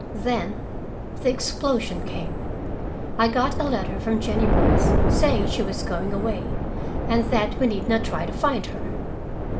Then the explosion came. I got a letter from Jennie Brice saying she was going away, and that we need not try to find her.